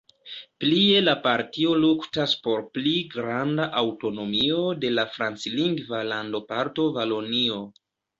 Plie la partio luktas por pli granda aŭtonomio de la franclingva landoparto Valonio.